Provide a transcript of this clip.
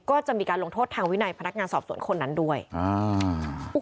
ก็จะมีการลงโทษทางวินัยพนักงานสอบสวนคนนั้นด้วยอ่า